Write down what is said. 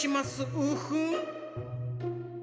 ウフン。